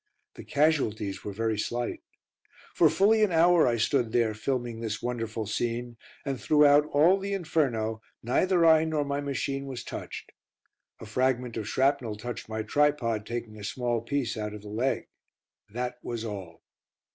The casualties were very slight. For fully an hour I stood there filming this wonderful scene, and throughout all the inferno, neither I nor my machine was touched. A fragment of shrapnel touched my tripod, taking a small piece out of the leg. That was all!